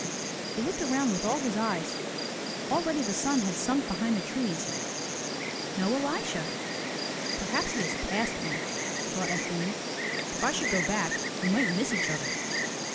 He looked around with all his eyes. Already the sun had sunk behind the trees. No Elisha! '^Perhaps he has passed me," thought Efim. "If I should go back, we might miss each other.